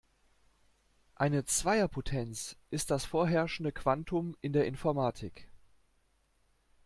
Eine Zweierpotenz ist das vorherrschende Quantum in der Informatik.